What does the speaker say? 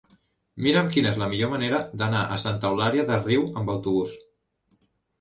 Mira'm quina és la millor manera d'anar a Santa Eulària des Riu amb autobús.